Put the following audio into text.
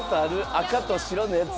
赤と白のやつ。